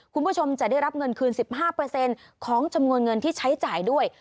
คุณผู้ชมจะได้รับเงินคืน๑๕ของจำนวนเงินที่ใช้จ่ายด้วย